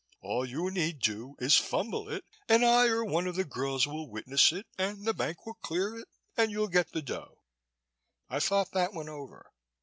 All you need do is fumble it and I or one of the girls will witness it and the bank will clear it and you'll get the dough." I thought that one over.